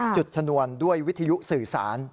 จุดชนวนด้วยวิทยุสื่อสาร